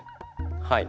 はい。